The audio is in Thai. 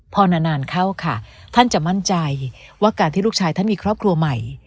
พอนานเข้าค่ะท่านจะมั่นใจว่าการที่ลูกชายท่านมีครอบครัวใหม่